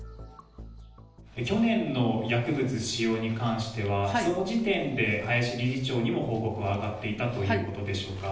去年の薬物使用に関しては、その時点で、林理事長にも報告が上がっていたということでしょうか。